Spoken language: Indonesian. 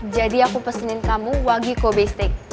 jadi aku pesenin kamu wagikobe steak